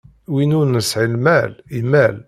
Win ur nesɛi lmal, imal.